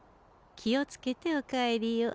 気をつけてお帰りを。